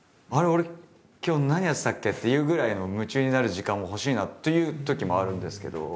俺今日何やってたっけ？っていうぐらいの夢中になる時間も欲しいなっていうときもあるんですけど。